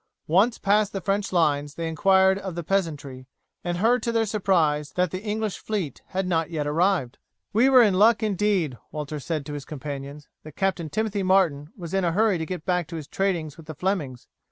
Once past the French lines they inquired of the peasantry, and heard to their surprise that the English fleet had not yet arrived. "We were in luck indeed," Walter said to his companions, "that Captain Timothy Martin was in a hurry to get back to his tradings with the Flemings.